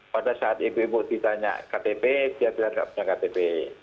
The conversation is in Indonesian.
pada saat ibu ibu ditanya ktp dia bilang tidak punya ktp